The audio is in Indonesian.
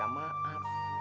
bang mpo minta maaf aja susah